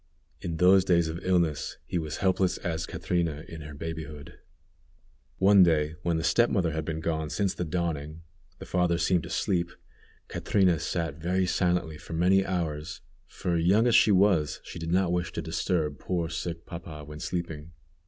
In those days of illness he was helpless as Catrina in her babyhood. One day, when the step mother had been gone since the dawning, the father seemed to sleep, Catrina sat very silently for many hours, for young as she was, she did not wish to disturb poor sick papa when sleeping.